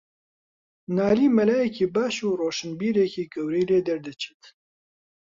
نالی مەلایەکی باش و ڕۆشنبیرێکی گەورەی لێدەردەچێت